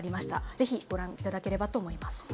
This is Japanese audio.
ぜひご覧いただければと思います。